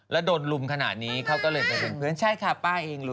แล้วโดนลุมขนาดนี้เขาก็เลยไปเป็นเพื่อนใช่ค่ะป้าเองรู้